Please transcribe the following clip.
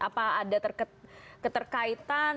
apa ada keterkaitan